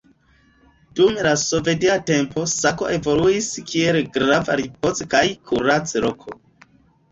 Dum la sovetia tempo Sako evoluis kiel grava ripoz- kaj kurac-loko.